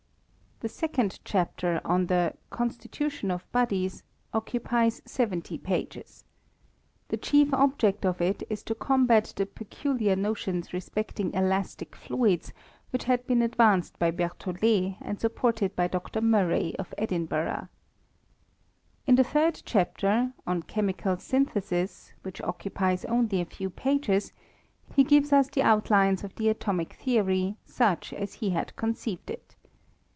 The second chapter, on the conslitutum or THE ATOMIC TBEoar. 295 of bodies, occupies 70 pages. The chief object of it is to combat the peculiar notions respecting elastic fluids, which had been advanced by Berthollet, and supported by Dr. Murray, of Edinburfrh, In the third chapter, on chemical synthesis, which occupiei oaly a. few pages, he gives ub the outlines of the atomic theory, such as he had conceived it.